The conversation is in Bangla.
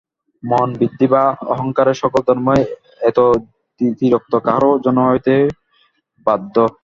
মন, বুদ্ধি বা অহঙ্কারের সকল কর্মই এতদতিরিক্ত কাহারও জন্য হইতে বাধ্য।